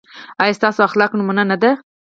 ایا ستاسو اخلاق نمونه نه دي؟